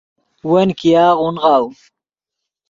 ون ګیاغ اونغاؤ